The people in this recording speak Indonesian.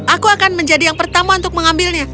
aku akan menjadi yang pertama untuk mengambilnya